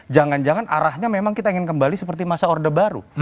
jangan jangan arahnya memang kita ingin kembali seperti masa orde baru